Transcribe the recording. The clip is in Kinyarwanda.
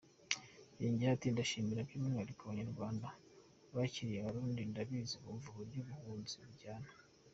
Yongeyeho ati “Ndashimira by’umwihariko Abanyarwanda bakiriye Abarundi, ndabizi bumva uburyo ubuhunzi buryana.